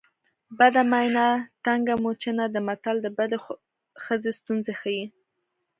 بده ماینه تنګه موچڼه ده متل د بدې ښځې ستونزې ښيي